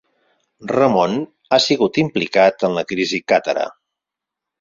Ramon ha sigut implicat en la crisi càtara.